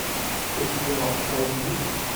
Excusez-moi, qu'avez-vous dit ?